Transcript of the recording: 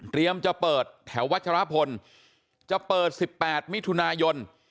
จะเปิดแถววัชรพลจะเปิด๑๘มิถุนายน